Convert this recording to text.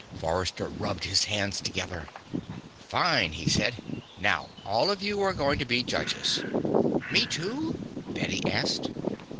Forrester rubbed his hands together. "Fine," he said. "Now, all of you are going to be judges." "Me, too?" Bette asked.